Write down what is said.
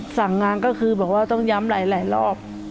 สั่งงานก็คือบอกว่าต้องย้ำหลายรอบ